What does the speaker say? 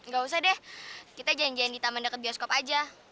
gak usah deh kita janjian di taman dekat bioskop aja